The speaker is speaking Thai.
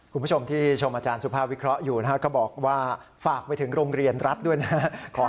คุณผู้ชมที่ชมอาจารย์สุภาพวิเคราะห์อยู่นะฮะก็บอกว่าฝากไปถึงโรงเรียนรัฐด้วยนะครับ